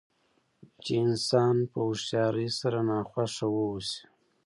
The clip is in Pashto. چې انسان په هوښیارۍ سره ناخوښه واوسي.